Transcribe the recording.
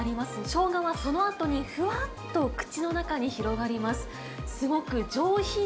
ショウガはそのあとにふわっと口の中に広がります。